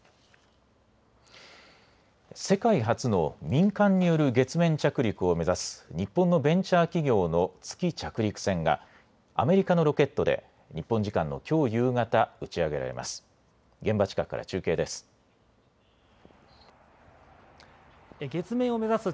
世界初の民間による月面着陸を目指す日本のベンチャー企業の月着陸船がアメリカのロケットで日本時間のきょう夕方、打ち上げられます。